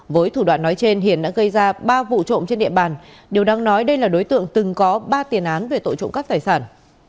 với thủ đoạn nói trên hiền đã gây ra ba vụ trộm trên địa bàn điều đáng nói đây là đối tượng từng có ba tiền án về tội trộm cắp tài sản